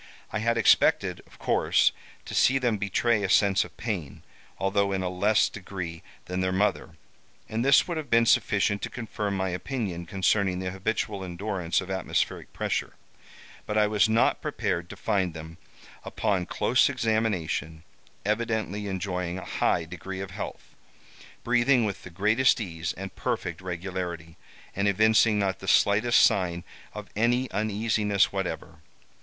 I had expected, of course, to see them betray a sense of pain, although in a less degree than their mother, and this would have been sufficient to confirm my opinion concerning the habitual endurance of atmospheric pressure. But I was not prepared to find them, upon close examination, evidently enjoying a high degree of health, breathing with the greatest ease and perfect regularity, and evincing not the slightest sign of any uneasiness whatever.